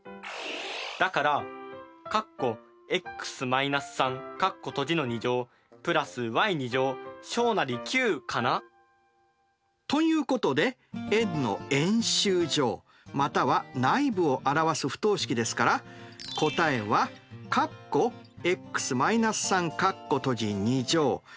だから＋ｙ９かな？ということで円の円周上または内部を表す不等式ですから答えは＋ｙ≦